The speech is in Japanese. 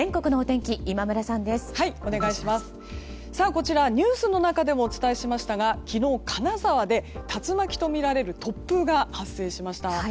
こちら、ニュースの中でもお伝えしましたが昨日、金沢で竜巻とみられる突風が発生しました。